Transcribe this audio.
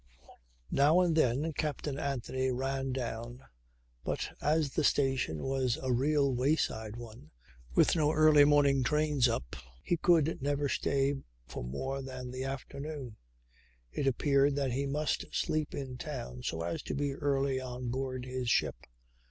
Now and then Captain Anthony ran down; but as the station was a real wayside one, with no early morning trains up, he could never stay for more than the afternoon. It appeared that he must sleep in town so as to be early on board his ship.